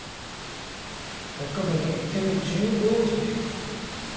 たかが月給１５円じゃねえか。